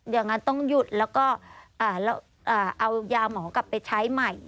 อย่างนั้นต้องหยุดแล้วก็เอายาหมอกลับไปใช้ใหม่